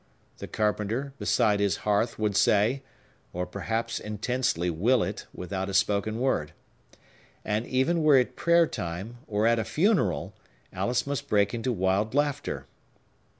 —the carpenter, beside his hearth, would say; or perhaps intensely will it, without a spoken word. And, even were it prayer time, or at a funeral, Alice must break into wild laughter.